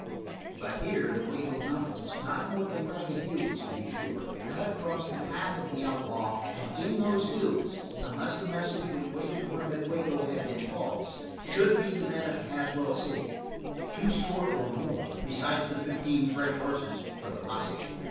But here the Wago Mountains not more than ragged hills, to be sure cut across the path of the outlaw and in those hills, unless the message which waited for him at Wago had been false, should be the men of Caswell City, two score or more besides the fifteen fresh horses for the posse.